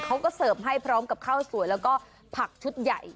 เขาก็เสิร์ฟให้พร้อมกับข้าวสวยแล้วก็ผักชุดใหญ่